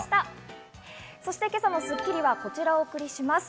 今朝の『スッキリ』はこちらをお送りします。